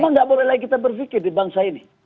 apa nggak boleh lagi kita berpikir di bangsa ini